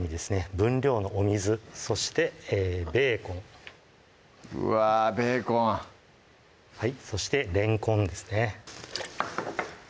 分量のお水そしてベーコンうわぁベーコンそしてれんこんですね